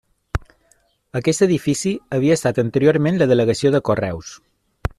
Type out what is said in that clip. Aquest edifici havia estat anteriorment la delegació de correus.